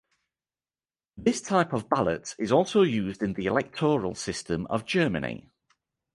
This type of ballot is also used in the electoral system of Germany.